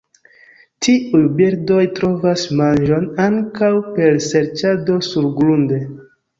Tiuj birdoj trovas manĝon ankaŭ per serĉado surgrunde.